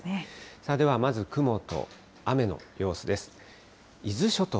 ではまず、雲と雨の様子です。